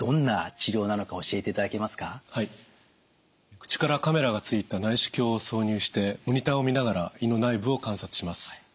口からカメラがついた内視鏡を挿入してモニターを見ながら胃の内部を観察します。